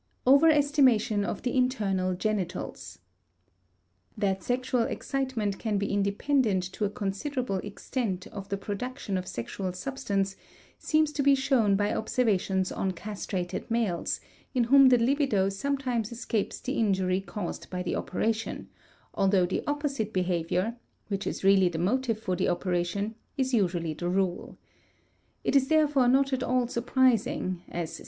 *Overestimation of the Internal Genitals.* That sexual excitement can be independent to a considerable extent of the production of sexual substance seems to be shown by observations on castrated males, in whom the libido sometimes escapes the injury caused by the operation, although the opposite behavior, which is really the motive for the operation, is usually the rule. It is therefore not at all surprising, as C.